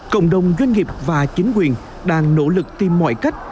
cộng đồng doanh nghiệp và chính quyền đang nỗ lực tìm mọi cách